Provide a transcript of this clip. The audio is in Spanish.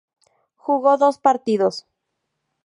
Jugó dos partidos.